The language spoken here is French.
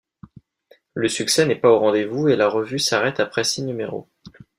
Le succès n'est pas au rendez-vous et la revue s'arrête après six numéros.